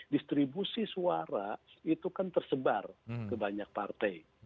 distribusi suara itu kan tersebar ke banyak partai